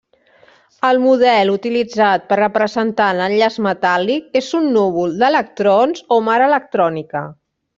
El model utilitzat per representar l'enllaç metàl·lic és un núvol d'electrons o mar electrònica.